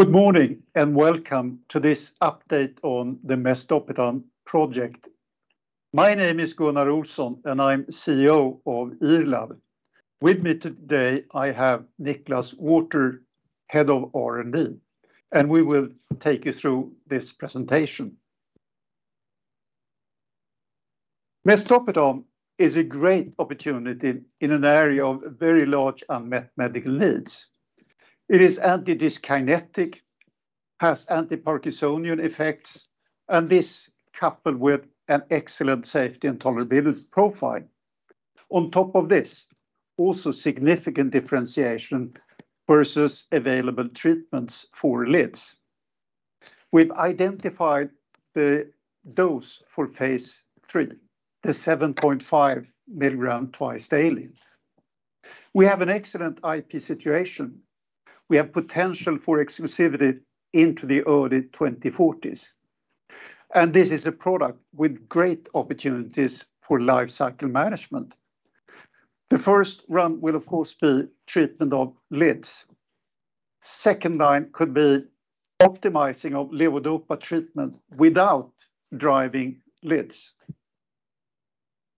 Good morning, welcome to this update on the mesdopetam project. My name is Gunnar Olsson, and I'm CEO of IRLAB. With me today, I have Nicholas Waters, Head of R&D, and we will take you through this presentation. Mesdopetam is a great opportunity in an area of very large unmet medical needs. It is antidyskinetic, has antiparkinsonian effects, and this coupled with an excellent safety and tolerability profile. On top of this, also significant differentiation versus available treatments for LIDs. We've identified the dose for phase III, the 7.5 mg twice daily. We have an excellent IP situation. We have potential for exclusivity into the early 2040s, and this is a product with great opportunities for life cycle management. The first run will, of course, be treatment of LIDs. Second line could be optimizing of levodopa treatment without driving LIDs.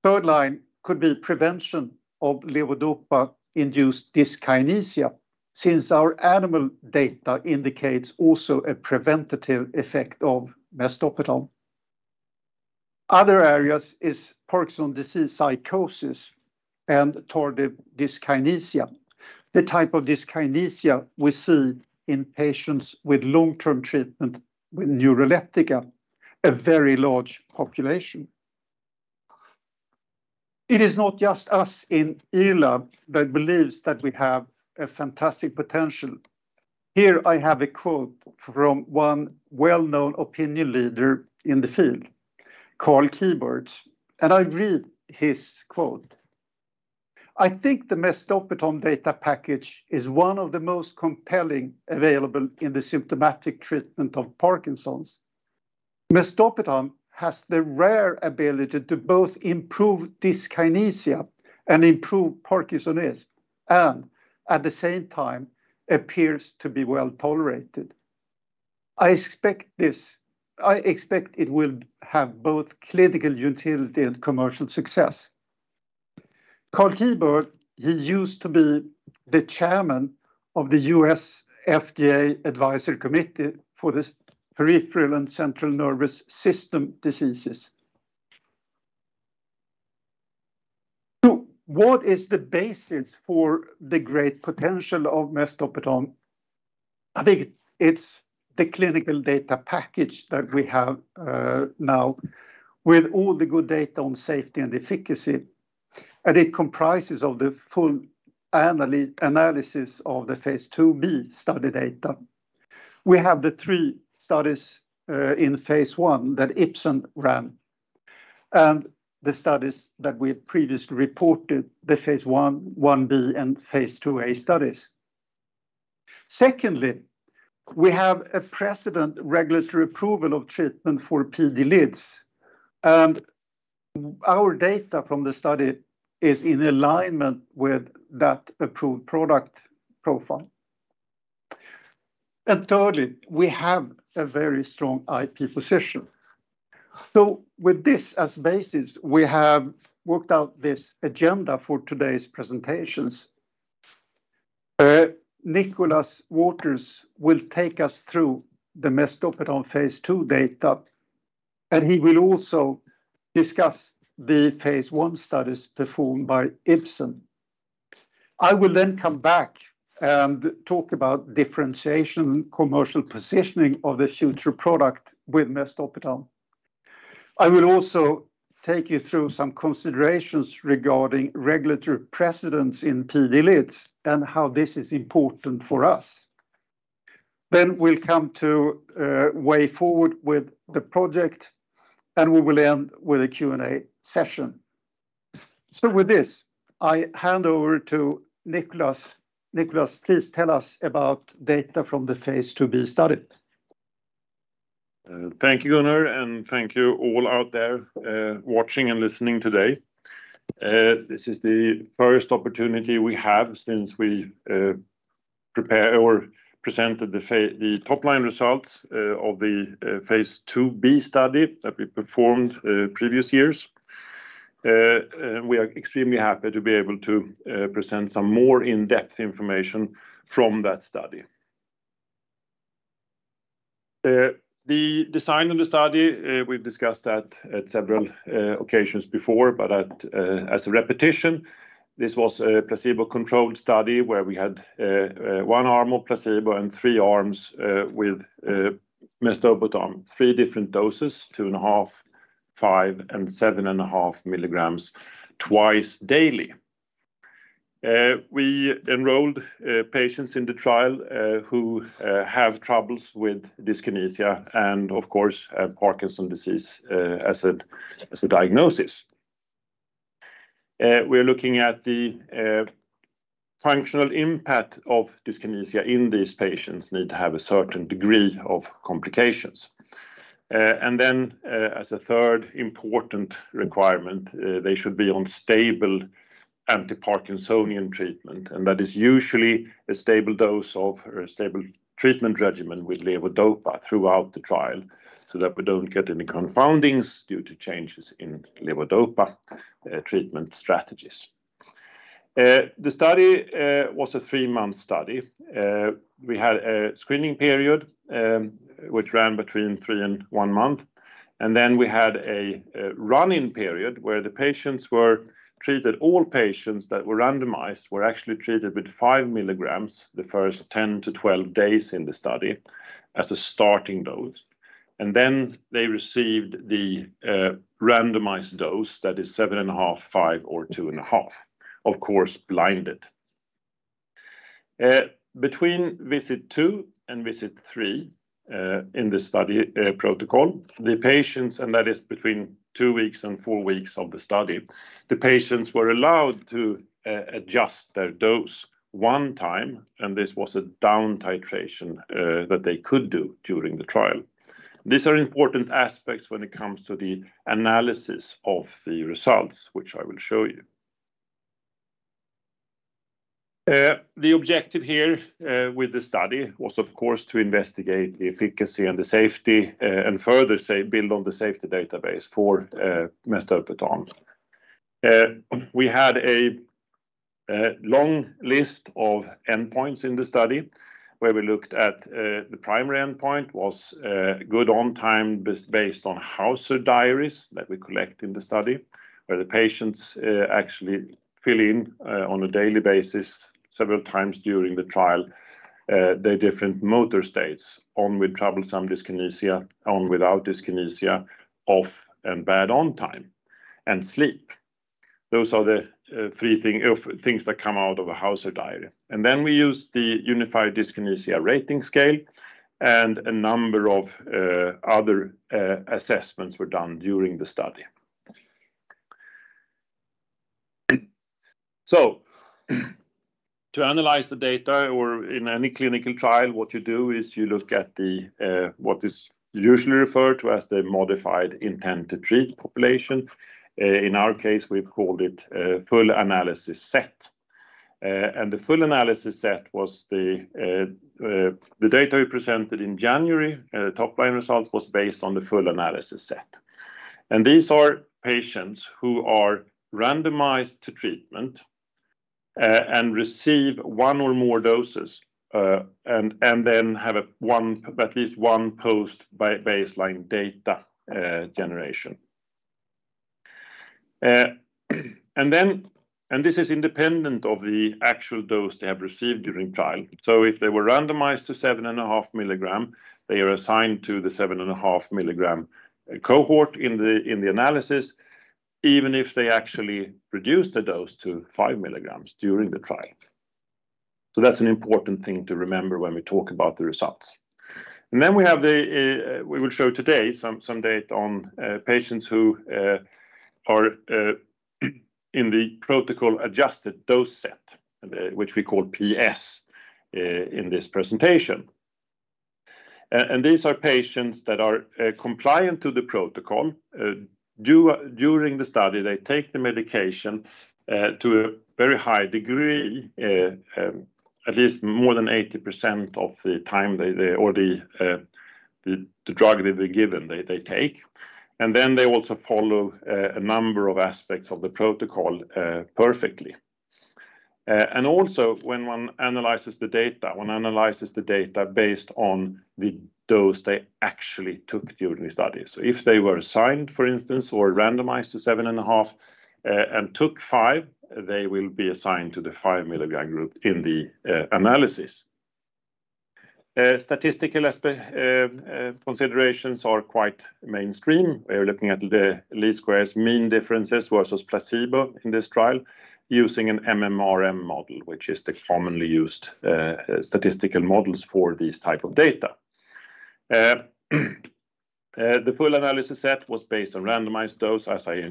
Third line could be prevention of levodopa-induced dyskinesia, since our animal data indicates also a preventative effect of mesdopetam. Other areas is Parkinson's disease psychosis, and tardive dyskinesia, the type of dyskinesia we see in patients with long-term treatment with neuroleptics, a very large population. It is not just us in IRLAB that believes that we have a fantastic potential. Here I have a quote from one well-known opinion leader in the field, Karl Kieburtz. I read his quote: "I think the mesdopetam data package is one of the most compelling available in the symptomatic treatment of Parkinson's. Mesdopetam has the rare ability to both improve dyskinesia and improve Parkinsonism, at the same time, appears to be well tolerated. I expect this... I expect it will have both clinical utility and commercial success." Karl Kieburtz, he used to be the chairman of the US FDA Peripheral and Central Nervous System Drugs Advisory Committee. What is the basis for the great potential of mesdopetam? I think it's the clinical data package that we have now with all the good data on safety and efficacy, and it comprises of the full analysis of the phase II-B study data. We have the 3 studies in phase I that Ipsen ran, and the studies that we've previously reported, the phase I, I-B, and phase II-A studies. Secondly, we have a precedent regulatory approval of treatment for PD-LIDs, and our data from the study is in alignment with that approved product profile. Thirdly, we have a very strong IP position. With this as basis, we have worked out this agenda for today's presentations. Nicholas Waters will take us through the mesdopetam phase II data, and he will also discuss the phase I studies performed by Ipsen. I will then come back and talk about differentiation, commercial positioning of the future product with mesdopetam. I will also take you through some considerations regarding regulatory precedents in PD-LIDs and how this is important for us. We'll come to way forward with the project, and we will end with a Q&A session. With this, I hand over to Nicholas. Nicholas, please tell us about data from the phase II-B study. Thank you, Gunnar, and thank you all out there, watching and listening today. This is the first opportunity we have since we prepared or presented the top-line results of the phase II-B study that we performed previous years. We are extremely happy to be able to present some more in-depth information from that study. The design of the study, we've discussed that at several occasions before, but as a repetition, this was a placebo-controlled study where we had 1 arm of placebo and 3 arms with mesdopetam, 3 different doses, 2.5, 5, and 7.5 mg twice daily. We enrolled patients in the trial who have troubles with dyskinesia and of course, Parkinson's disease as a diagnosis. We're looking at the functional impact of dyskinesia in these patients need to have a certain degree of complications.... Then, as a third important requirement, they should be on stable antiparkinsonian treatment, and that is usually a stable dose of or a stable treatment regimen with levodopa throughout the trial, so that we don't get any confoundings due to changes in levodopa treatment strategies. The study was a 3-month study. We had a screening period, which ran between 3 and 1 month, and then we had a run-in period, where the patients were treated. All patients that were randomized were actually treated with 5 mg the first 10-12 days in the study as a starting dose, and then they received the randomized dose, that is 7.5 mg, 5 or 2.5, of course, blinded. Between Visit 2 and Visit 3 in the study protocol, the patients, and that is between 2 weeks and 4 weeks of the study, the patients were allowed to adjust their dose 1 time, and this was a down titration that they could do during the trial. These are important aspects when it comes to the analysis of the results, which I will show you. The objective here with the study was, of course, to investigate the efficacy and the safety, and further say, build on the safety database for mesdopetam. We had a long list of endpoints in the study, where we looked at, the primary endpoint was Good ON time based on Hauser Diary that we collect in the study, where the patients actually fill in on a daily basis, several times during the trial, their different motor states: on with troublesome dyskinesia, on without dyskinesia, OFF time and Bad ON time, and sleep. Those are the three things that come out of a Hauser Diary. We use the Unified Dyskinesia Rating Scale, and a number of other assessments were done during the study. To analyze the data or in any clinical trial, what you do is you look at the what is usually referred to as the modified intent-to-treat population. In our case, we called it Full Analysis Set. The Full Analysis Set was the data we presented in January, top-line results was based on the Full Analysis Set. These are patients who are randomized to treatment and receive 1 or more doses and then have at least 1 post-baseline data generation. This is independent of the actual dose they have received during trial. If they were randomized to 7.5 mg, they are assigned to the 7.5 mg cohort in the analysis, even if they actually reduced the dose to 5 mg during the trial. That's an important thing to remember when we talk about the results. Then we have the. We will show today some, some data on patients who are in the protocol-adjusted dose set, which we call PS, in this presentation. These are patients that are compliant to the protocol during the study, they take the medication to a very high degree, at least more than 80% of the time, they or the drug that they're given, they take. They also follow a number of aspects of the protocol perfectly. Also, when one analyzes the data, one analyzes the data based on the dose they actually took during the study. If they were assigned, for instance, or randomized to 7.5, and took 5, they will be assigned to the 5-milligram group in the analysis. Statistical considerations are quite mainstream. We're looking at the least-squares mean differences versus placebo in this trial, using an MMRM model, which is the commonly used statistical models for these type of data. The Full Analysis Set was based on randomized dose, as I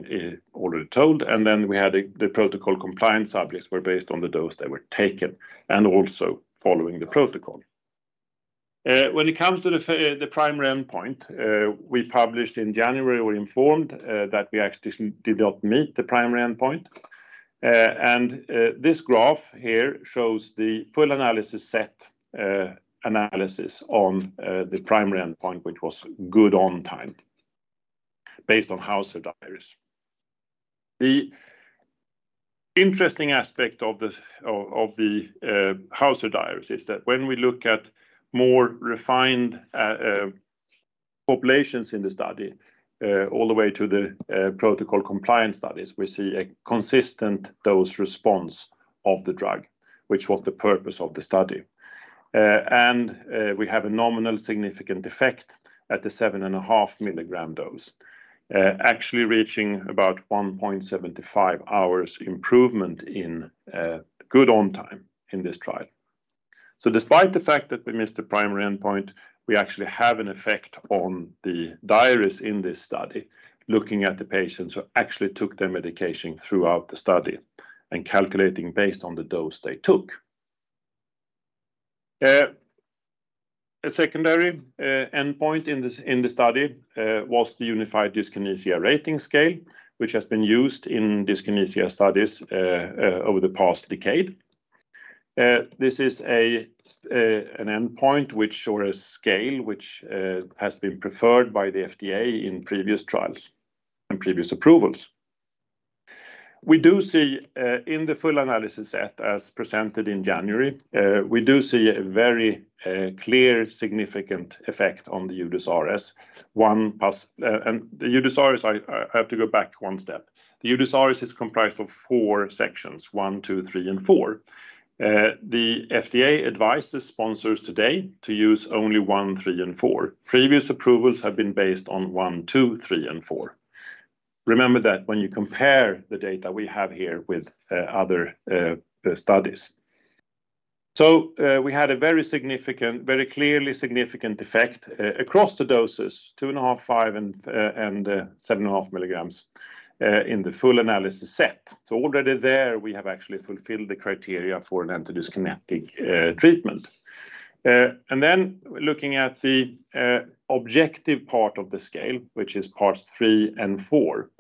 already told, and then we had the protocol-compliant subjects were based on the dose that were taken, and also following the protocol. When it comes to the primary endpoint, we published in January, we informed that we actually did not meet the primary endpoint. This graph here shows the Full Analysis Set analysis on the primary endpoint, which was Good ON time, based on Hauser Diary. The interesting aspect of the Hauser Diary is that when we look at more refined populations in the study, all the way to the protocol compliance studies, we see a consistent dose response of the drug, which was the purpose of the study. And we have a nominal significant effect at the 7.5 mg dose, actually reaching about 1.75 hours improvement in Good ON time in this trial. Despite the fact that we missed the primary endpoint, we actually have an effect on the diaries in this study, looking at the patients who actually took their medication throughout the study and calculating based on the dose they took. A secondary endpoint in this, in the study, was the Unified Dyskinesia Rating Scale, which has been used in dyskinesia studies over the past decade. This is an endpoint which, or a scale, which has been preferred by the FDA in previous trials and previous approvals. We do see in the Full Analysis Set, as presented in January, we do see a very clear, significant effect on the UDRS 1+, and the UDRS, I, I have to go back 1 step. The UDRS is comprised of 4 Sections, 1, 2, 3, and 4. The FDA advises sponsors today to use only 1, 3, and 4. Previous approvals have been based on 1, 2, 3, and 4. Remember that when you compare the data we have here with other studies. We had a very significant, very clearly significant effect across the doses, 2.5, 5, and 7.5 mg in the Full Analysis Set. Already there, we have actually fulfilled the criteria for an anti-dyskinesia treatment. And then looking at the objective part of the scale, which is Parts 3 and 4,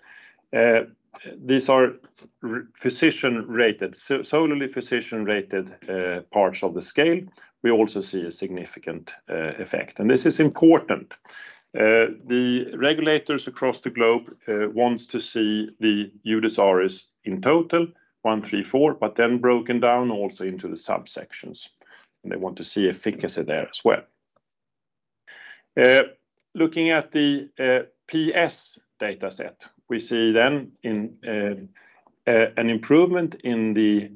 these are physician-rated, so solely physician-rated parts of the scale. We also see a significant effect, and this is important. The regulators across the globe wants to see the UDRS in total, 1, 3, 4, but then broken down also into the subsections, and they want to see efficacy there as well. Looking at the PS data set, we see then in an improvement in the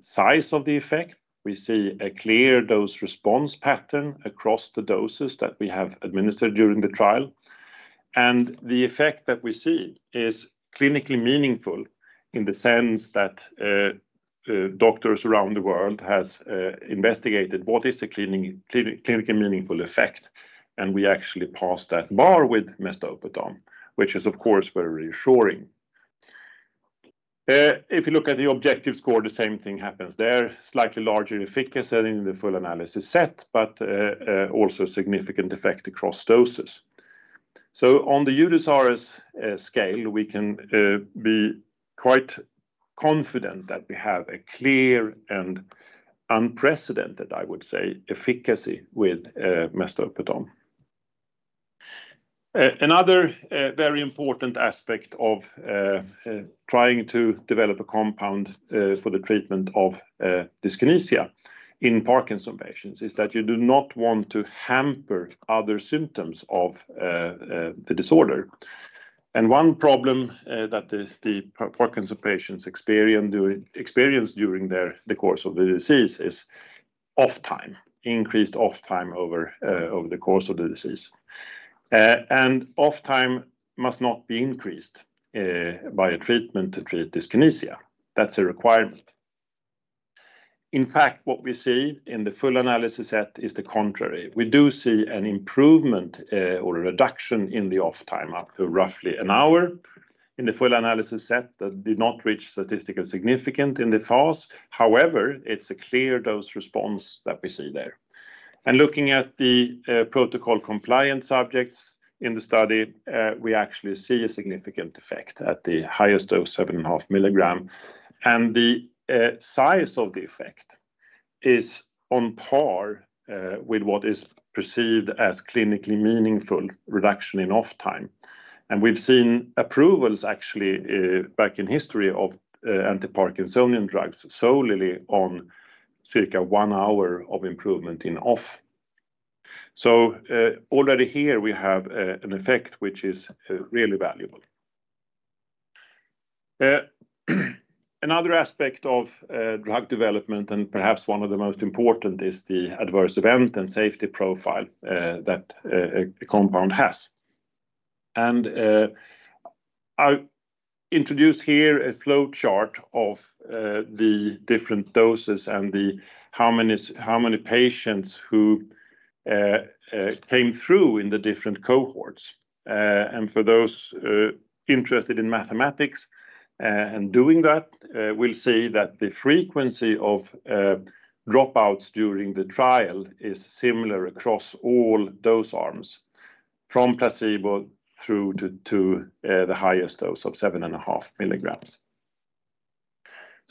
size of the effect. We see a clear dose response pattern across the doses that we have administered during the trial. The effect that we see is clinically meaningful in the sense that doctors around the world has investigated what is the clinically meaningful effect, and we actually passed that bar with mesdopetam, which is, of course, very reassuring. If you look at the objective score, the same thing happens there, slightly larger efficacy in the Full Analysis Set, but also significant effect across doses. On the UDysRS scale, we can be quite confident that we have a clear and unprecedented, I would say, efficacy with mesdopetam. Another very important aspect of trying to develop a compound for the treatment of dyskinesia in Parkinson's patients is that you do not want to hamper other symptoms of the disorder. One problem that the Parkinson's patients experience during their the course of the disease is OFF time, increased OFF time over over the course of the disease. OFF time must not be increased by a treatment to treat dyskinesia. That's a requirement. In fact, what we see in the Full Analysis Set is the contrary. We do see an improvement, or a reduction in the OFF time, up to roughly 1 hour in the Full Analysis Set that did not reach statistical significant in the FAS. However, it's a clear dose response that we see there. Looking at the protocol compliance subjects in the study, we actually see a significant effect at the highest dose, 7.5 mg, and the size of the effect is on par with what is perceived as clinically meaningful reduction in OFF time. We've seen approvals actually back in history of antiparkinsonian drugs solely on circa 1 hour of improvement in OFF. Already here we have an effect which is really valuable. Another aspect of drug development, and perhaps one of the most important, is the adverse event and safety profile that a compound has. I introduced here a flowchart of the different doses and the how many, how many patients who came through in the different cohorts. For those interested in mathematics and doing that, we'll see that the frequency of dropouts during the trial is similar across all dose arms, from placebo through to the highest dose of 7.5 mg.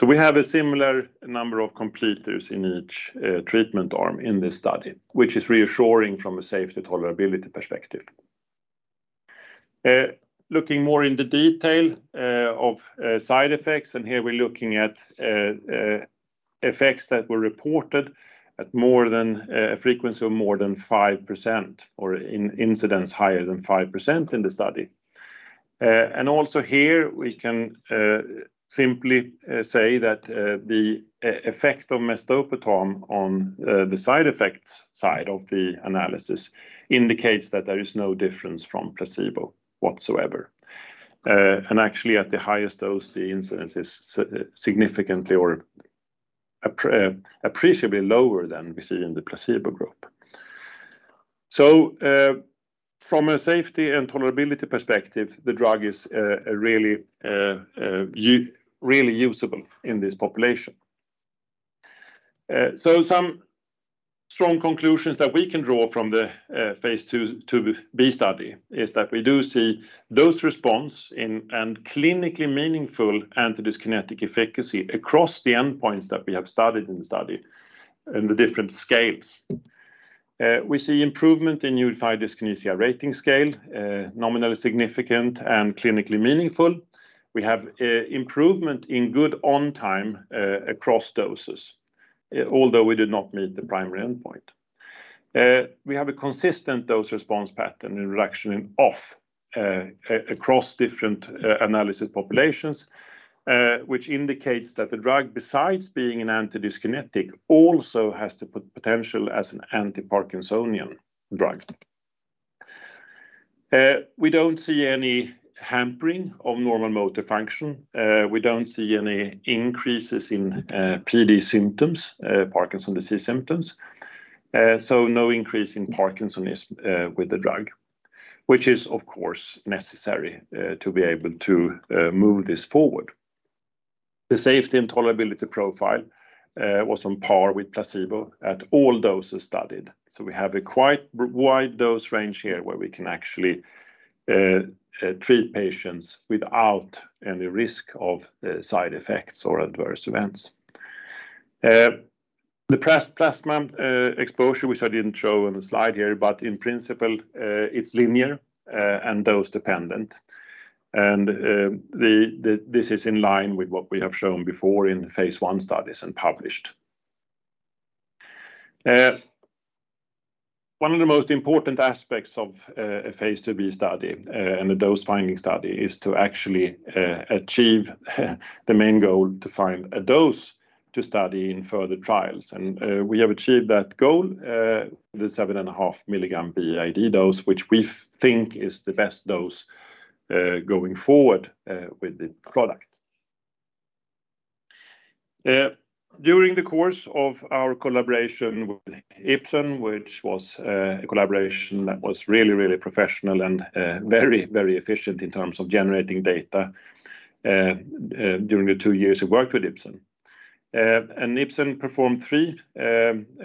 We have a similar number of completers in each treatment arm in this study, which is reassuring from a safety tolerability perspective. Looking more into detail of side effects, and here we're looking at effects that were reported at more than a frequency of more than 5%, or in incidence higher than 5% in the study. Also here, we can simply say that the e-effect of mesdopetam on the side effects side of the analysis indicates that there is no difference from placebo whatsoever. And actually at the highest dose, the incidence is significantly or appreciably lower than we see in the placebo group. From a safety and tolerability perspective, the drug is really usable in this population. Some strong conclusions that we can draw from the phase II, II-B study is that we do see those response in and clinically meaningful antidyskinetic efficacy across the endpoints that we have studied in the study and the different scales. We see improvement in Unified Dyskinesia Rating Scale, nominally significant and clinically meaningful. We have improvement in Good ON time across doses, although we did not meet the primary endpoint. We have a consistent dose-response pattern and reduction in OFF across different analysis populations, which indicates that the drug, besides being an antidyskinetic, also has to put potential as an antiparkinsonian drug. We don't see any hampering of normal motor function. We don't see any increases in PD symptoms, Parkinson's disease symptoms. No increase in parkinsonism with the drug, which is, of course, necessary to be able to move this forward. The safety and tolerability profile was on par with placebo at all doses studied, we have a quite wide dose range here, where we can actually treat patients without any risk of side effects or adverse events. The plasma exposure, which I didn't show on the slide here, but in principle, it's linear and dose dependent, and this is in line with what we have shown before in the phase I studies and published. One of the most important aspects of a phase II-B study and a dose-finding study is to actually achieve, the main goal, to find a dose to study in further trials. We have achieved that goal with the 7.5 mg BID dose, which we think is the best dose going forward with the product. During the course of our collaboration with Ipsen, which was a collaboration that was really, really professional and very, very efficient in terms of generating data, during the 2 years we worked with Ipsen. Ipsen performed 3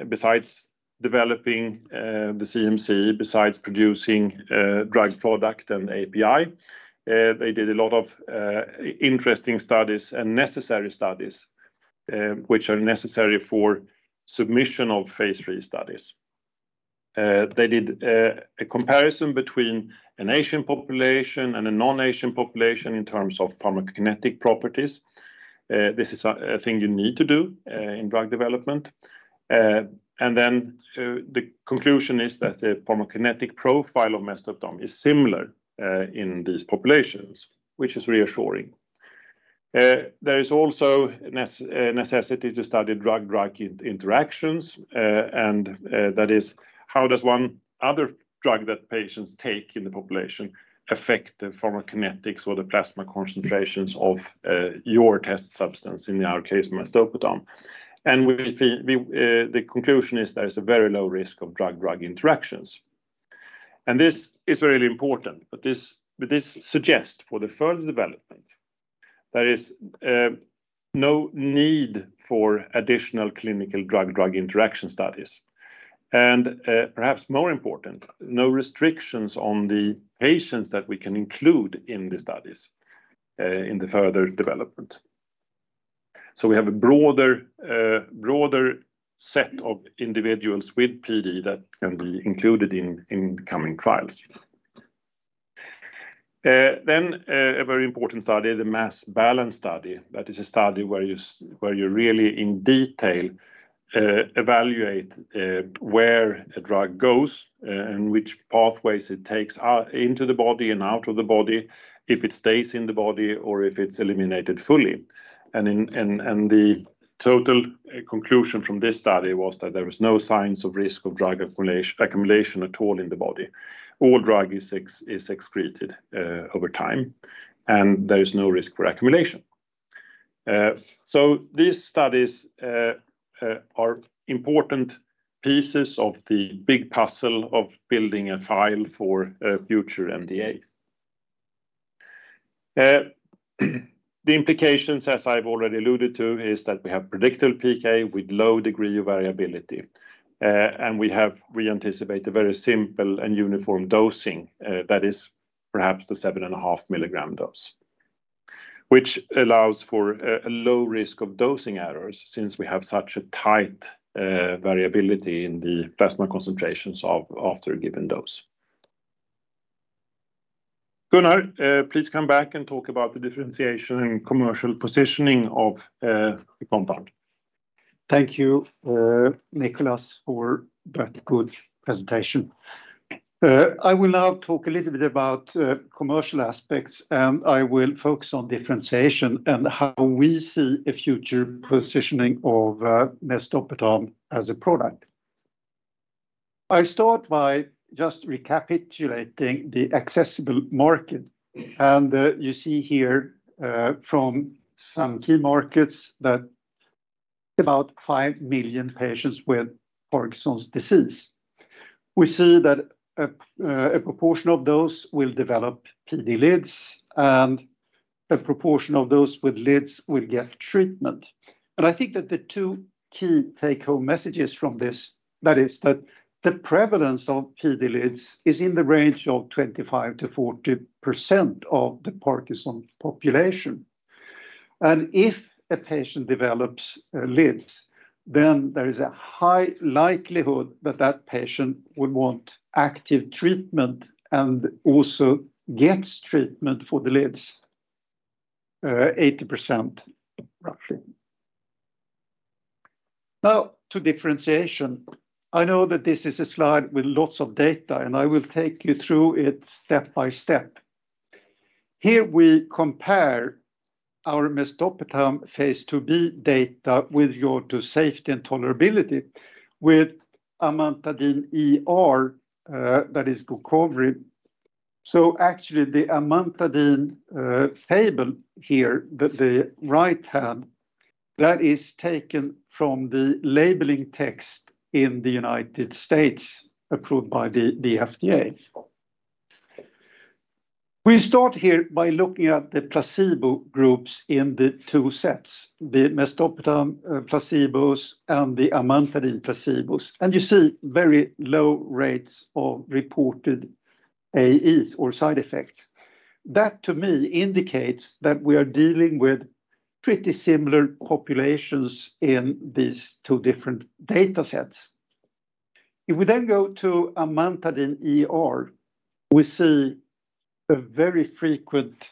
besides developing the CMC, besides producing drug product and API, they did a lot of interesting studies and necessary studies, which are necessary for submission of phase III studies. They did a comparison between an Asian population and a non-Asian population in terms of pharmacokinetic properties. This is a thing you need to do in drug development. Then the conclusion is that the pharmacokinetic profile of mesdopetam is similar in these populations, which is reassuring. There is also a necessity to study drug-drug interactions, and that is, how does one other drug that patients take in the population affect the pharmacokinetic or the plasma concentrations of your test substance, in our case, mesdopetam? The conclusion is there is a very low risk of drug-drug interactions, and this is really important, but this suggests for the further development, there is no need for additional clinical drug-drug interaction studies, and perhaps more important, no restrictions on the patients that we can include in the studies in the further development. We have a broader, broader set of individuals with PD that can be included in coming trials. Then, a very important study, the mass balance study, that is a study where you where you really in detail evaluate where a drug goes and which pathways it takes out, into the body and out of the body, if it stays in the body or if it's eliminated fully. The total conclusion from this study was that there was no signs of risk of drug accumulation at all in the body. All drug is excreted over time, and there is no risk for accumulation. These studies are important pieces of the big puzzle of building a file for a future NDA. The implications, as I've already alluded to, is that we have predictable PK with low degree of variability, and we anticipate a very simple and uniform dosing, that is perhaps the 7.5 mg dose, which allows for a, a low risk of dosing errors since we have such a tight variability in the plasma concentrations after a given dose. Gunnar, please come back and talk about the differentiation and commercial positioning of the compound. Thank you, Nicholas, for that good presentation. I will now talk a little bit about commercial aspects, and I will focus on differentiation and how we see a future positioning of mesdopetam as a product. I start by just recapitulating the accessible market, and you see here, from some key markets about 5 million patients with Parkinson's disease. We see that a, a proportion of those will develop PD-LIDs, and a proportion of those with LIDS will get treatment. I think that the two key take-home messages from this, that is that the prevalence of PD-LIDs is in the range of 25%-40% of the Parkinson's population. If a patient develops LIDs, then there is a high likelihood that that patient would want active treatment and also gets treatment for the LIDs, 80%, roughly. Now, to differentiation. I know that this is a slide with lots of data, and I will take you through it step by step. Here we compare our mesdopetam Phase II-B data with your to safety and tolerability with amantadine ER, that is Gocovri. Actually, the amantadine table here, the, the right hand, that is taken from the labeling text in the United States, approved by the FDA. We start here by looking at the placebo groups in the two sets, the mesdopetam placebos, and the amantadine placebos, and you see very low rates of reported AEs or side effects. That, to me, indicates that we are dealing with pretty similar populations in these two different datasets. We then go to amantadine ER, we see a very frequent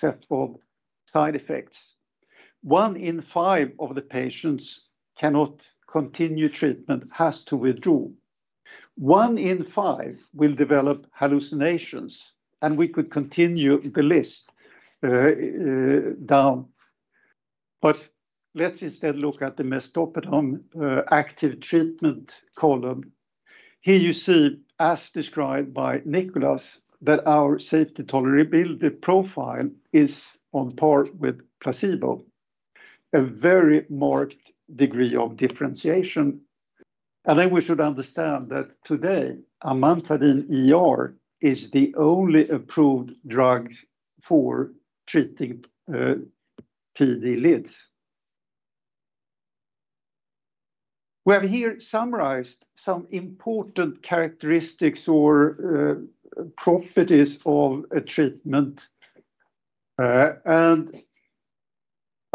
set of side effects. One in five of the patients cannot continue treatment, has to withdraw. One in five will develop hallucinations, we could continue the list down. Let's instead look at the mesdopetam active treatment column. Here you see, as described by Nicholas, that our safety tolerability profile is on par with placebo, a very marked degree of differentiation. We should understand that today, amantadine ER is the only approved drug for treating PD-LIDs. We have here summarized some important characteristics or properties of a treatment. I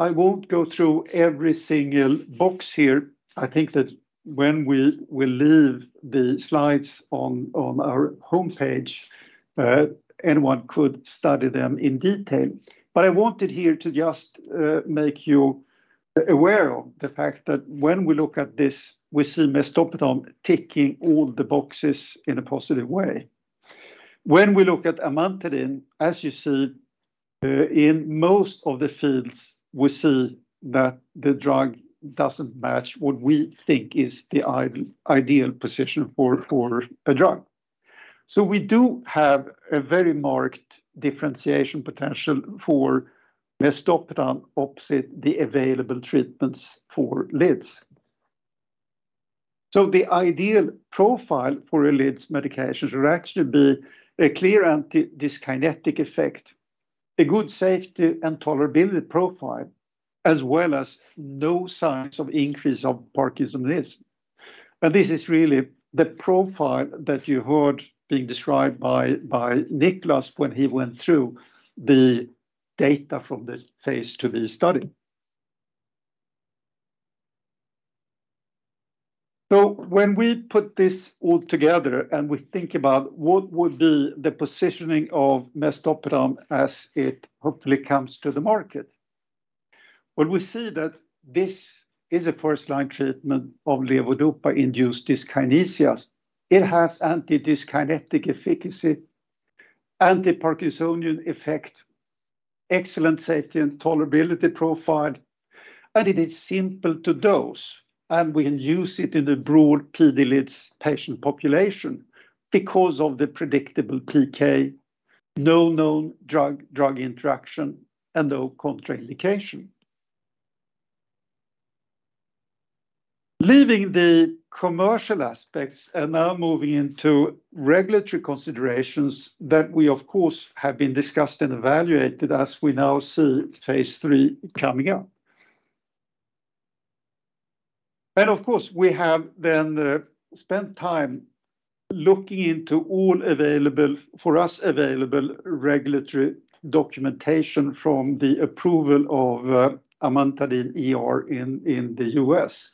won't go through every single box here. I think that when we will leave the slides on, on our homepage, anyone could study them in detail. I wanted here to just make you aware of the fact that when we look at this, we see mesdopetam ticking all the boxes in a positive way. When we look at amantadine, as you see, in most of the fields, we see that the drug doesn't match what we think is the ideal position for, for a drug. We do have a very marked differentiation potential for mesdopetam opposite the available treatments for LIDs. The ideal profile for a LIDs medication should actually be a clear antidyskinetic effect, a good safety and tolerability profile, as well as no signs of increase of Parkinsonism. This is really the profile that you heard being described by, by Nicholas when he went through the data from the phase II-B study. When we put this all together and we think about what would be the positioning of mesdopetam as it hopefully comes to the market, well, we see that this is a first-line treatment of levodopa-induced dyskinesias. It has antidyskinetic efficacy, anti-parkinsonian effect, excellent safety and tolerability profile, and it is simple to dose, and we use it in the broad PD-LIDs patient population because of the predictable PK, no known drug-drug interactions, and no contraindication. Leaving the commercial aspects and now moving into regulatory considerations that we, of course, have been discussed and evaluated as we now see phase III coming up. Of course, we have then spent time looking into all available, for us, available regulatory documentation from the approval of amantadine ER in the U.S.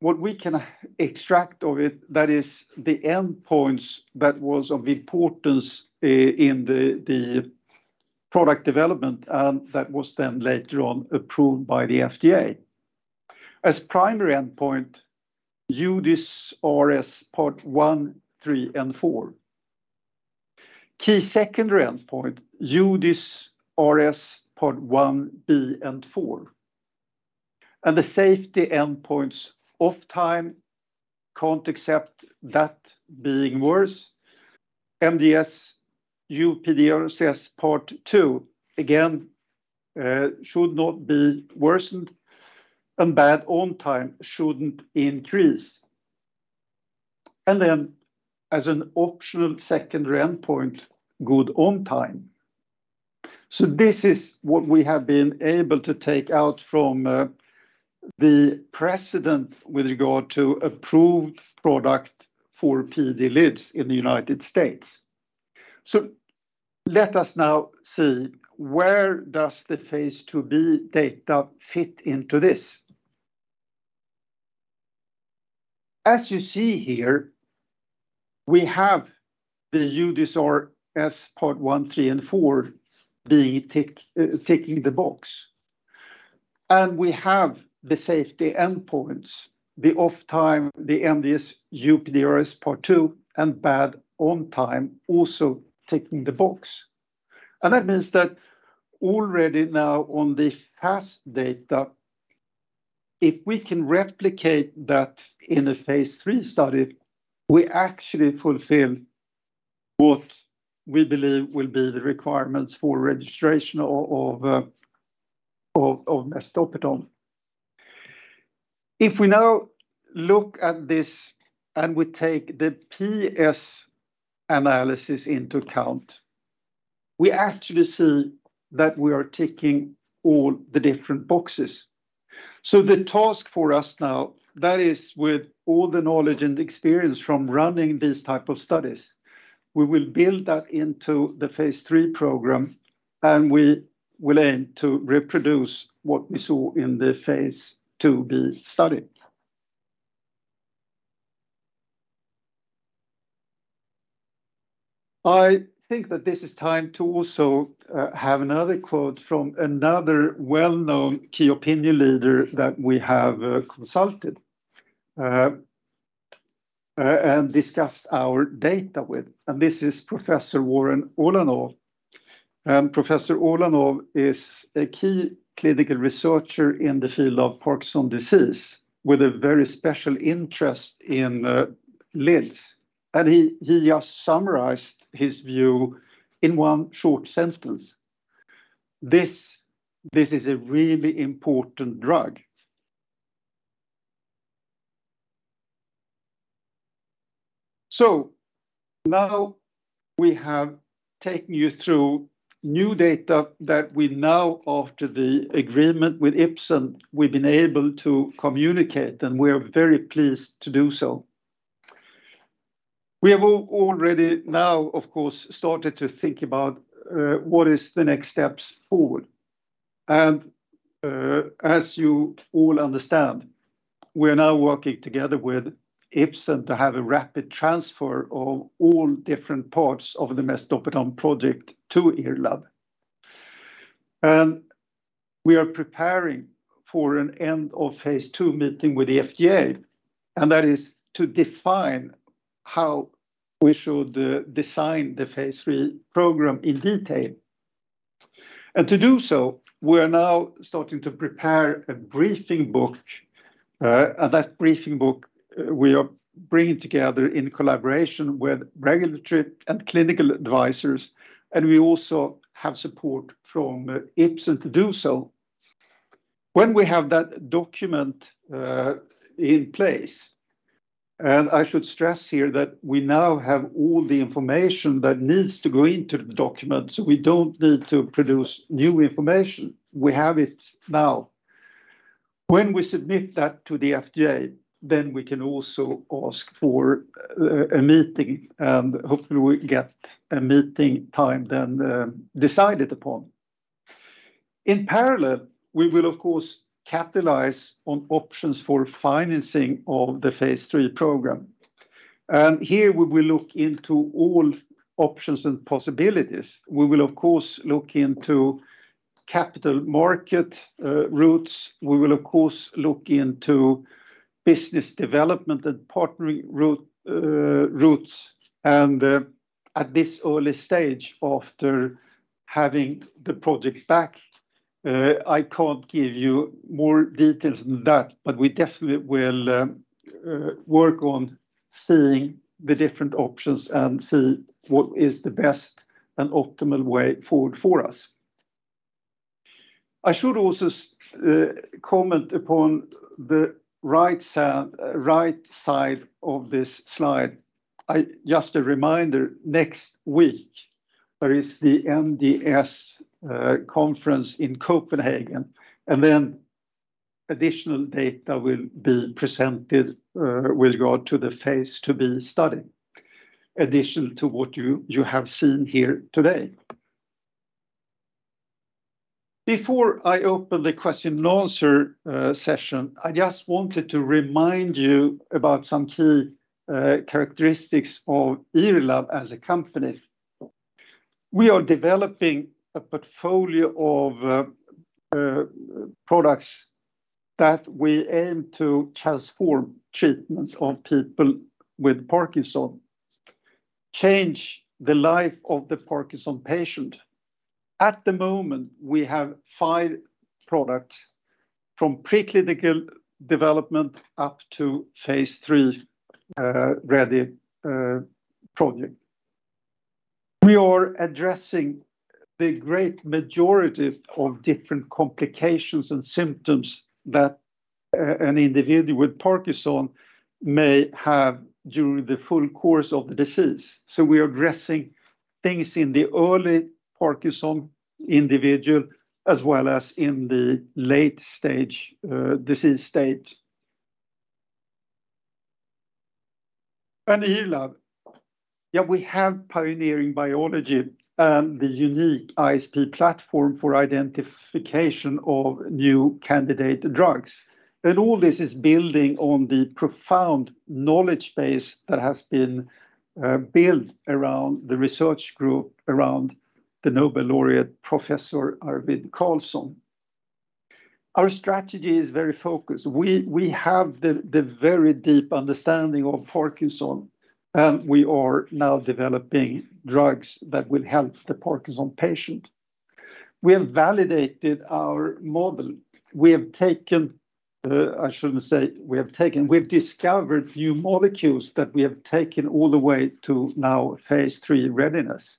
What we can extract of it, that is the endpoints that was of importance in the product development, and that was then later on approved by the FDA. As primary endpoint, UDysRS Part 1, 3, and 4. Key secondary endpoint, UDysRS Part 1B, and 4. The safety endpoints, OFF time-... can't accept that being worse. MDS-UPDRS Part 2, again, should not be worsened, and Bad ON time shouldn't increase. Then as an optional secondary endpoint, Good ON time. This is what we have been able to take out from the precedent with regard to approved product for PD-LIDs in the United States. Let us now see where does the phase II-B data fit into this? As you see here, we have the UDysRS Part 1, 3, and 4B tick, ticking the box, and we have the safety endpoints, the OFF time, the MDS-UPDRS Part 2, and Bad ON time also ticking the box. That means that already now on the fast data, if we can replicate that in the phase III study, we actually fulfill what we believe will be the requirements for registration of, of, of, of mesdopetam. If we now look at this and we take the PS analysis into account, we actually see that we are ticking all the different boxes. The task for us now, that is with all the knowledge and experience from running these type of studies, we will build that into the phase III program, and we will aim to reproduce what we saw in the phase II-B study. I think that this is time to also have another quote from another well-known key opinion leader that we have consulted and discussed our data with, and this is Professor Warren Olanow. Professor Olanow is a key clinical researcher in the field of Parkinson's disease, with a very special interest in LIDS. He, he just summarized his view in one short sentence: This, this is a really important drug. Now we have taken you through new data that we now, after the agreement with Ipsen, we've been able to communicate, and we are very pleased to do so. We have already now, of course, started to think about what is the next steps forward. As you all understand, we're now working together with Ipsen to have a rapid transfer of all different parts of the mesdopetam project to IRLAB. We are preparing for an end of phase II meeting with the FDA, that is to define how we should design the phase III program in detail. To do so, we are now starting to prepare a briefing book. That briefing book, we are bringing together in collaboration with regulatory and clinical advisors. We also have support from Ipsen to do so. When we have that document in place, I should stress here that we now have all the information that needs to go into the document. We don't need to produce new information, we have it now. When we submit that to the FDA, we can also ask for a meeting, hopefully, we get a meeting time then decided upon. In parallel, we will, of course, capitalize on options for financing of the phase III program. Here we will look into all options and possibilities. We will, of course, look into capital market routes. We will, of course, look into business development and partnering routes. At this early stage, after having the project back, I can't give you more details than that, but we definitely will work on seeing the different options and see what is the best and optimal way forward for us. I should also comment upon the right sound, right side of this slide. Just a reminder, next week, there is the MDS conference in Copenhagen, and then additional data will be presented with regard to the phase II-B study, additional to what you, you have seen here today. Before I open the question and answer session, I just wanted to remind you about some key characteristics of IRLAB as a company. We are developing a portfolio of products that we aim to transform treatments of people with change the life of the Parkinson patient. At the moent, we have five products from preclinical development up to phase III, ready, project. We are addressing the great ma jority of different complications and symptoms that an individual with Parkinson may have during the full course of the disease. We are addressing things in the early Parkinson individual, as well as in the late stage, disease state. IRLAB, yeah, we have pioneering biology and the unique ISP platform for identification of new candidate drugs. All this is building on the profound knowledge base that has been built around the research group, around the Nobel laureate Professor Arvid Carlsson. Our strategy is very focused. We, we have the very deep understanding of Parkinson, and we are now developing drugs that will help the Parkinson patient. We have validated our model. We have taken, I shouldn't say we have taken, we've discovered new molecules that we have taken all the way to now phase III readiness.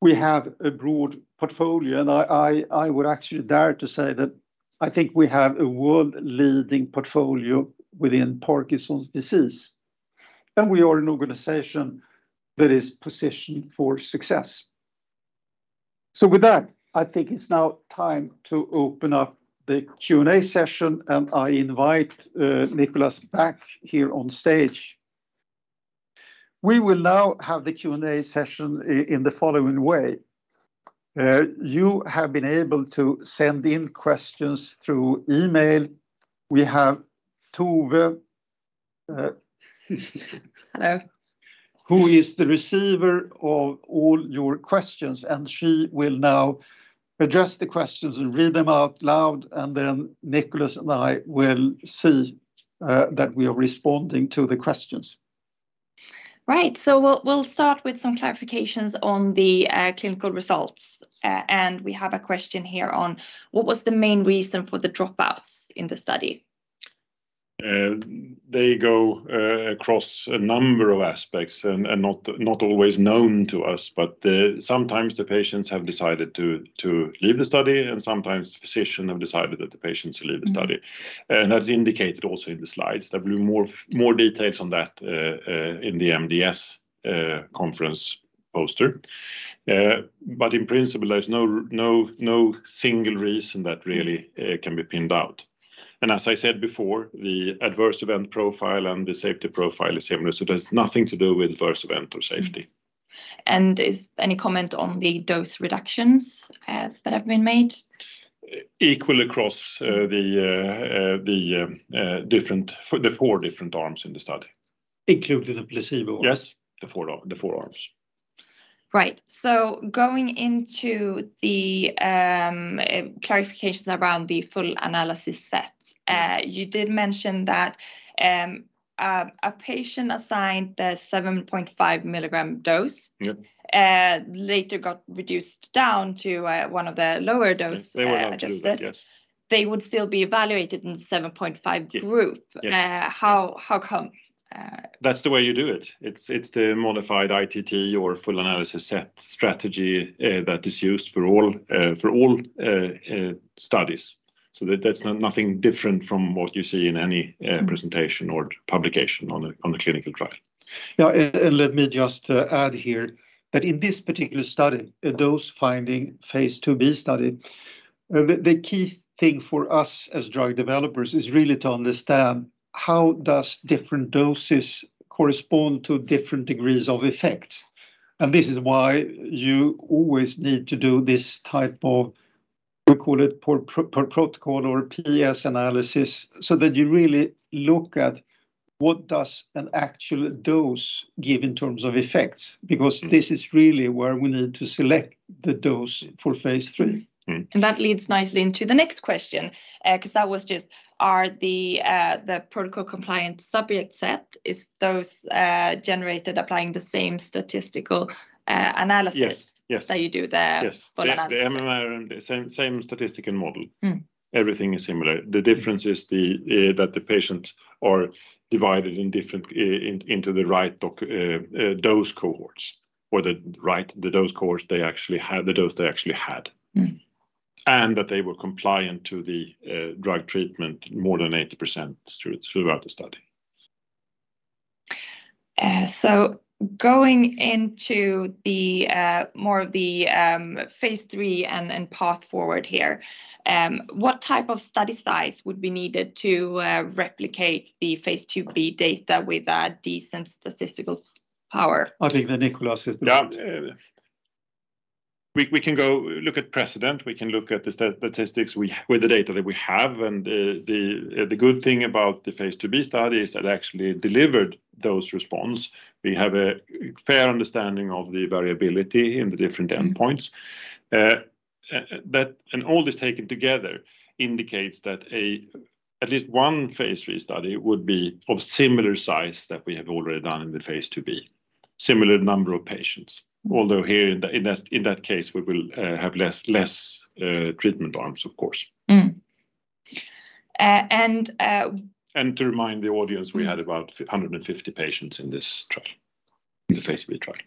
We have a broad portfolio, I, I, I would actually dare to say that I think we have a world-leading portfolio within Parkinson's disease, and we are an organization that is positioned for success. With that, I think it's now time to open up the Q&A session, and I invite Nicholas back here on stage. We will now have the Q&A session in, in the following way. You have been able to send in questions through email. We have Tove, Hello. Who is the receiver of all your questions, and she will now address the questions and read them out loud, and then Nicholas and I will see that we are responding to the questions. Right. We'll, we'll start with some clarifications on the clinical results. We have a question here on: What was the main reason for the dropouts in the study? They go across a number of aspects and, and not, not always known to us, but sometimes the patients have decided to, to leave the study, and sometimes the physician have decided that the patients leave the study. As indicated also in the slides, there will be more, more details on that in the MDS conference poster. But in principle, there's no, no, no single reason that really can be pinned out. As I said before, the adverse event profile and the safety profile is similar, so there's nothing to do with adverse event or safety. Is any comment on the dose reductions that have been made? Equally across, the, the, for the 4 different arms in the study. Including the placebo? Yes, the four arms. Right. Going into the clarifications around the Full Analysis Set, you did mention that a patient assigned the 7.5 mg dose- Yep later got reduced down to, one of the lower dose- They were adjusted, yes. They would still be evaluated in the 7.5mg Yes. Group. Yes. How, how come? That's the way you do it. It's, it's the modified ITT or Full Analysis Set strategy, that is used for all, for all, studies. That's not nothing different from what you see in a presentation or publication on a clinical trial. Yeah, let me just add here that in this particular study, the dose-finding phase II-B study, the key thing for us as drug developers is really to understand how does different doses correspond to different degrees of effect? This is why you always need to do this type of, we call it protocol or PS analysis, so that you really look at what does an actual dose give in terms of effect This is really where we need to select the dose... for phase III. That leads nicely into the next question, 'cause that was just are the, the protocol-compliant subject set, is those generated applying the same statistical, analysis? Yes, yes. that you do there? Yes. Full Analysis. The MMRM, the same, same statistical model. Mm. Everything is similar. The difference is the that the patients are divided in different into the right dose cohorts or the right, the dose cohorts they actually had, the dose they actually had That they were compliant to the drug treatment more than 80% throughout, throughout the study. Going into the, more of the, phase III and, and path forward here, what type of study size would be needed to replicate the phase II-B data with a decent statistical power? I think that Nicholas is- Yeah, we, we can go look at precedent, we can look at the statistics we with the data that we have, and the, the good thing about the phase II-B study is that actually delivered those response. We have a fair understanding of the variability in the different endpoints. That and all this taken together indicates that at least one phase III study would be of similar size that we have already done in the phase II-B. Similar number of patients, although here in that, in that, in that case, we will have less, less treatment arms, of course. To remind the audience, we had about 150 patients in this trial, in the phase II trial.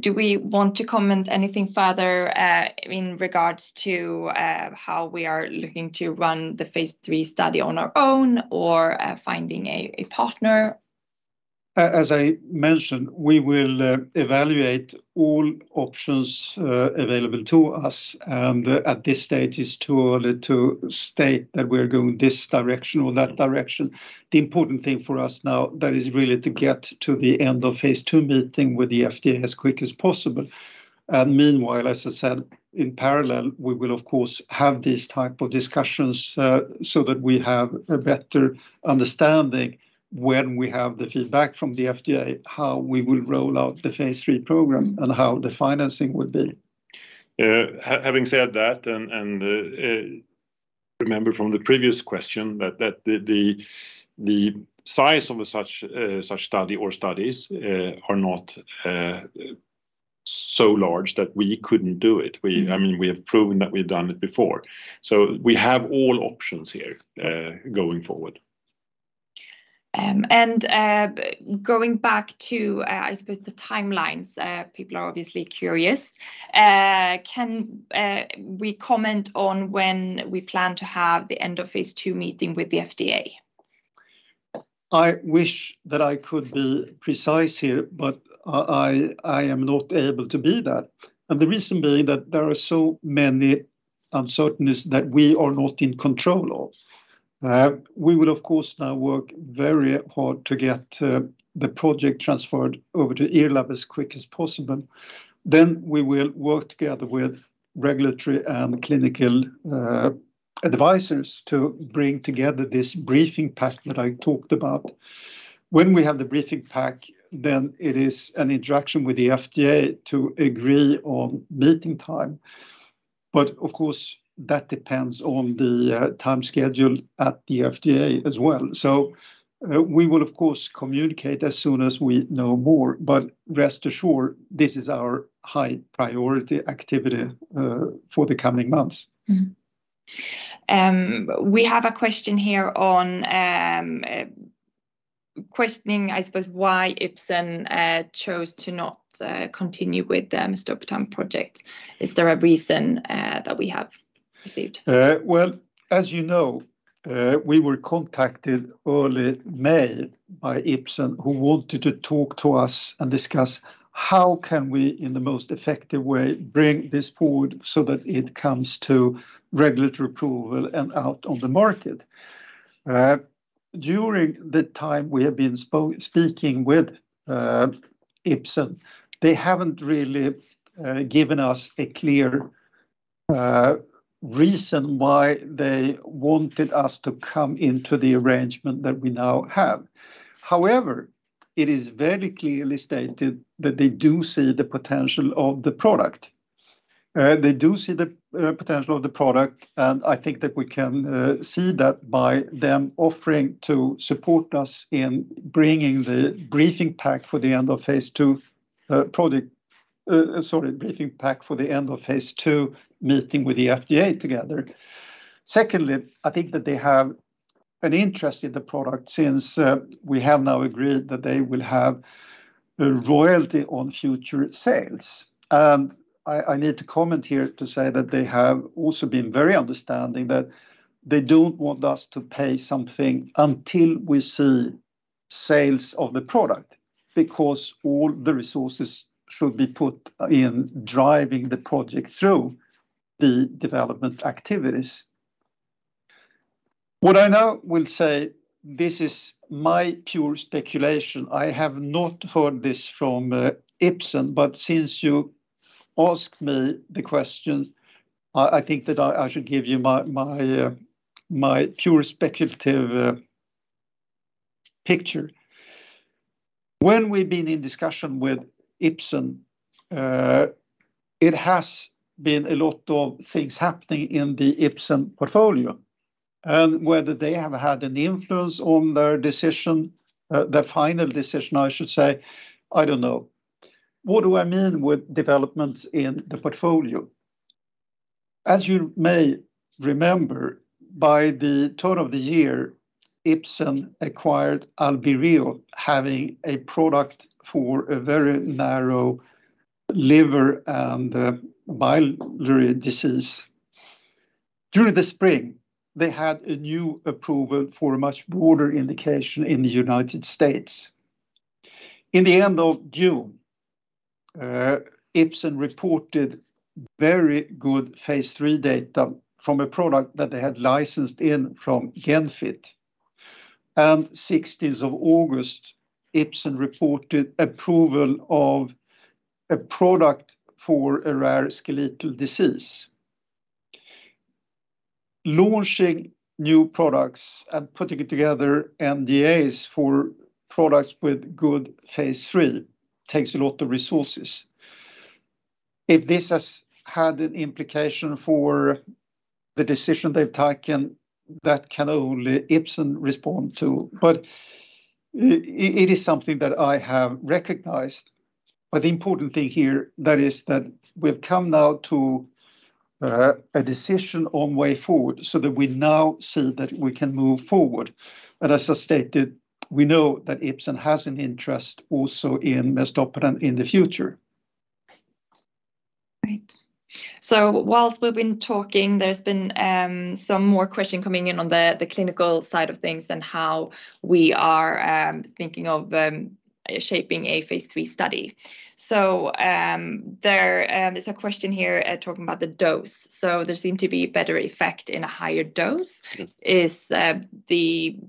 Do we want to comment anything further, in regards to, how we are looking to run the phase III study on our own or, finding a, a partner? As I mentioned, we will evaluate all options available to us, and at this stage, it's too early to state that we're going this direction or that direction. The important thing for us now, that is really to get to the end of phase II meeting with the FDA as quick as possible. Meanwhile, as I said, in parallel, we will of course, have these type of discussions so that we have a better understanding when we have the feedback from the FDA, how we will roll out the phase III program and how the financing will be. Having said that, and remember from the previous question that the size of such study or studies are not so large that we couldn't do it. I mean, we have proven that we've done it before. We have all options here, going forward. Going back to, I suppose the timelines, people are obviously curious. Can we comment on when we plan to have the end of phase II meeting with the FDA? I wish that I could be precise here, I am not able to be that. The reason being that there are so many uncertainties that we are not in control of. We will, of course, now work very hard to get the project transferred over to IRLAB as quick as possible. We will work together with regulatory and clinical advisors to bring together this briefing pack that I talked about. When we have the briefing pack, it is an interaction with the FDA to agree on meeting time. Of course, that depends on the time schedule at the FDA as well. We will of course, communicate as soon as we know more, but rest assured this is our high priority activity for the coming months. Mm-hmm. We have a question here on questioning, I suppose, why Ipsen chose to not continue with the mesdopetam project. Is there a reason that we have received? Well, as you know, we were contacted early May by Ipsen, who wanted to talk to us and discuss how can we, in the most effective way, bring this forward so that it comes to regulatory approval and out on the market. During the time we have been speaking with Ipsen, they haven't really given us a clear reason why they wanted us to come into the arrangement that we now have. However, it is very clearly stated that they do see the potential of the product. They do see the potential of the product, and I think that we can see that by them offering to support us in bringing the briefing pack for the end of phase II, meeting with the FDA together. Secondly, I think that they have an interest in the product since we have now agreed that they will have a royalty on future sales. I, I need to comment here to say that they have also been very understanding that they don't want us to pay something until we see sales of the product, because all the resources should be put in driving the project through the development activities. What I now will say, this is my pure speculation. I have not heard this from Ipsen, but since you asked me the question, I, I think that I, I should give you my, my, my pure speculative picture. When we've been in discussion with Ipsen, it has been a lot of things happening in the Ipsen portfolio, and whether they have had an influence on their decision, their final decision, I should say, I don't know. What do I mean with developments in the portfolio? As you may remember, by the turn of the year, Ipsen acquired Albireo, having a product for a very narrow liver and biliary disease. During the spring, they had a new approval for a much broader indication in the United States. In the end of June, Ipsen reported very good phase III data from a product that they had licensed in from Genfit. sixteenth of August, Ipsen reported approval of a product for a rare skeletal disease, launching new products and putting it together, NDAs for products with good phase III takes a lot of resources. If this has had an implication for the decision they've taken, that can only Ipsen respond to, but it is something that I have recognized. The important thing here, that is that we've come now to a decision on way forward, so that we now see that we can move forward. As I stated, we know that Ipsen has an interest also in mesdopetam in the future. Great. Whilst we've been talking, there's been some more question coming in on the clinical side of things and how we are thinking of shaping a phase III study. There is a question here at talking about the dose. There seem to be better effect in a higher dose. Yes. Is there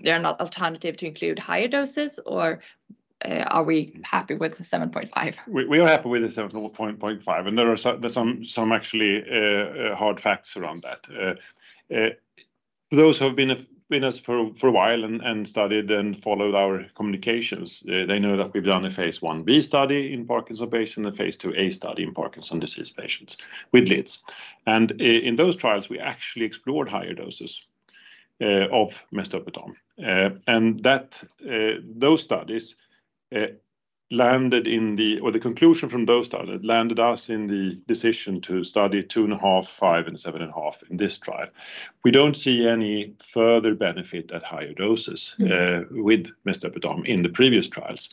are not alternative to include higher doses, or, are we happy with the 7.5 mg? We, we are happy with the 7.5 mg, and there are some, there's some, some actually, hard facts around that. Those who have been with us for a while and studied and followed our communications, they know that we've done a phase I-B study in Parkinson's disease patient, a phase II-A study in Parkinson's disease patients with LIDs. In those trials, we actually explored higher doses of mesdopetam. And that those studies landed in the... Or the conclusion from those studies landed us in the decision to study 2.5, 5, and 7.5 in this trial. We don't see any further benefit at higher doses... with mesdopetam in the previous trials.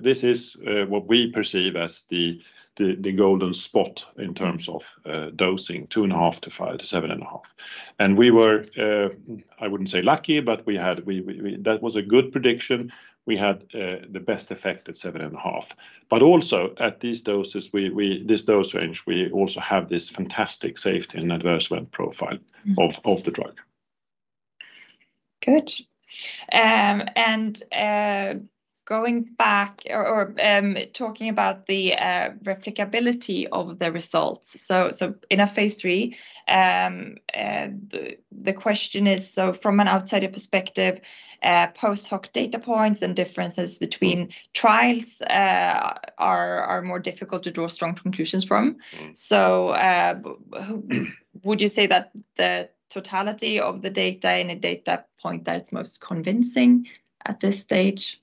This is what we perceive as the, the, the golden spot in terms of dosing 2.5 mg to 5 mg-7.5 mg. We were, I wouldn't say lucky, but we had, that was a good prediction. We had the best effect at 7.5 mg. Also, at these doses, we, this dose range, we also have this fantastic safety and adverse events profile of the drug. Good. Going back or, or talking about the replicability of the results. In a phase III, the question is from an outsider perspective, post hoc data points and differences between trials are more difficult to draw strong conclusions from. Would you say that the totality of the data in a data point that's most convincing at this stage, or?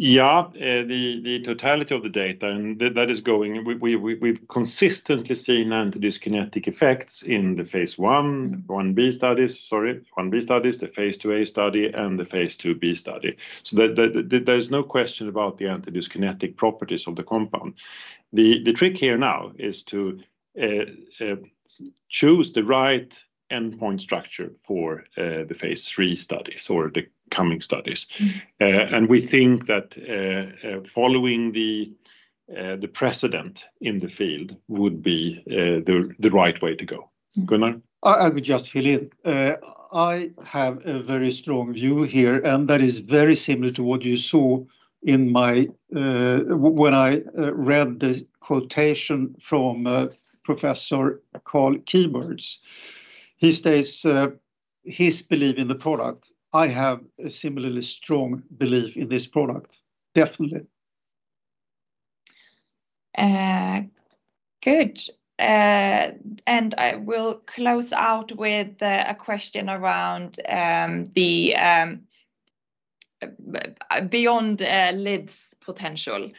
Yeah, the totality of the data and that is going. We've consistently seen antidyskinetic effects in the phase I, I-B studies, sorry, I-B studies, the phase II-A study, and the phase II-B study. There's no question about the antidyskinetic properties of the compound. The trick here now is to choose the right endpoint structure for the phase III studies or the coming studies We think that, following the precedent in the field would be, the right way to go. Gunnar? I would just fill in. I have a very strong view here, and that is very similar to what you saw in my... when I read the quotation from Professor Carl Clarke. He states his belief in the product. I have a similarly strong belief in this product. Definitely. Good. I will close out with a question around the beyond LIDs potential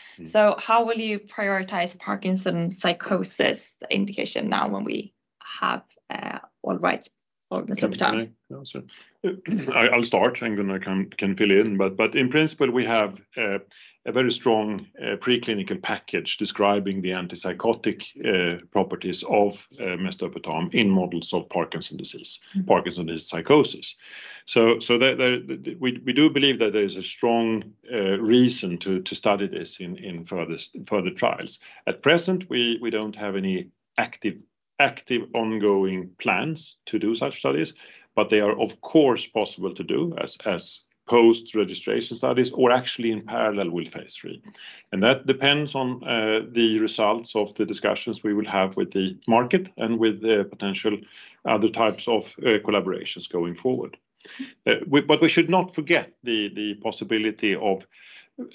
How will you prioritize Parkinson's psychosis indication now when we have all rights for mesdopetam? Can I answer? I, I'll start, and Gunnar can, can fill in, but, but in principle, we have a very strong preclinical package describing the antipsychotic properties of mesdopetam in models of Parkinson's disease. Mm... Parkinson's psychosis. We do believe that there is a strong reason to study this in further, further trials. At present, we don't have any active, ongoing plans to do such studies, but they are, of course, possible to do as post-registration studies or actually in parallel with phase III. That depends on the results of the discussions we will have with the market and with the potential other types of collaborations going forward. We, but we should not forget the possibility of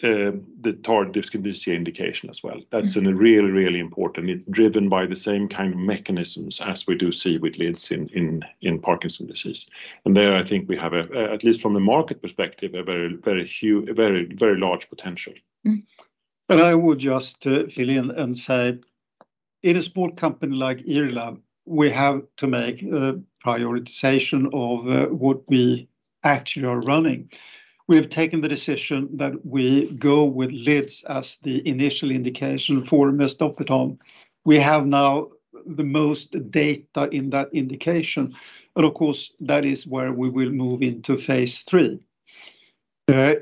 the tardive dyskinesia indication as well. Mm. That's a really, really important. It's driven by the same kind of mechanisms as we do see with LIDs in Parkinson's disease. There, I think we have, at least from the market perspective, a very, very huge, a very, very large potential I would just fill in and say, in a small company like IRLAB, we have to make a prioritization of what we actually are running. We have taken the decision that we go with LIDs as the initial indication for mesdopetam. We have now the most data in that indication, and of course, that is where we will move into phase III.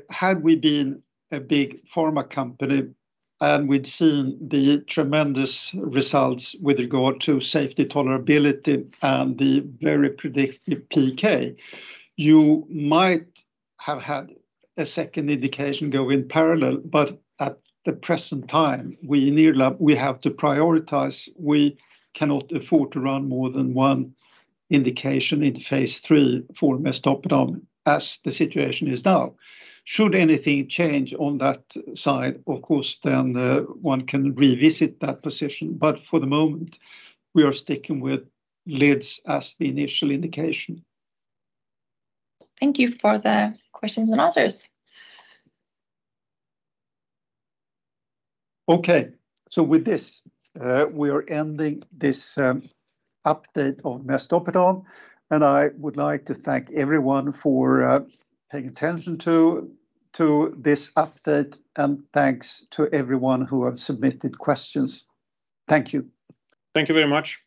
Had we been a big pharma company, and we'd seen the tremendous results with regard to safety, tolerability, and the very predictive PK, you might have had a second indication go in parallel. At the present time, we in IRLAB, we have to prioritize. We cannot afford to run more than one indication in phase III for mesdopetam, as the situation is now. Should anything change on that side, of course, then, one can revisit that position. For the moment, we are sticking with LIDs as the initial indication. Thank you for the questions and answers. Okay. With this, we are ending this update on mesdopetam. I would like to thank everyone for paying attention to this update, and thanks to everyone who have submitted questions. Thank you. Thank you very much.